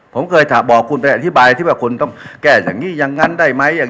ผมเคยบอกคุณไปอธิบายที่ว่าคุณต้องแก้อย่างนี้อย่างนั้นได้ไหม